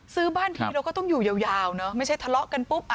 ซื้อบ้านทีเราก็ต้องอยู่ยาวเนอะไม่ใช่ทะเลาะกันปุ๊บ